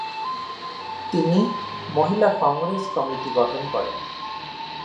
তিনি মহিলা কংগ্রেস কমিটি গঠন করেন।